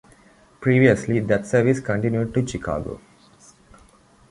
Previously, that service continued to Chicago.